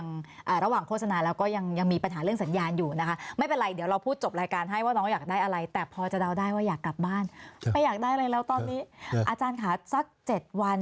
ระหว่างโฆษณาแล้วก็ยังยังมีปัญหาเรื่องสัญญาณอยู่นะคะไม่เป็นไรเดี๋ยวเราพูดจบรายการให้ว่าน้องอยากได้อะไรแต่พอจะเดาได้ว่าอยากกลับบ้านไม่อยากได้อะไรแล้วตอนนี้อาจารย์ค่ะสัก๗วัน